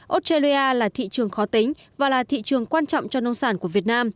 australia là thị trường khó tính và là thị trường quan trọng cho nông sản của việt nam